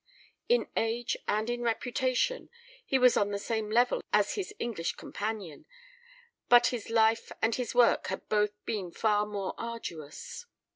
In age and in reputation, he was on the same level as his English companion, but his life and his work had both been far more arduous.